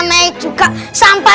main juga sampah